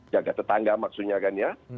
jaga tetangga maksudnya kan ya